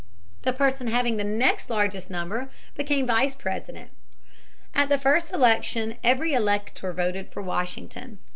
The person having the next largest number became Vice President. At the first election every elector voted for Washington.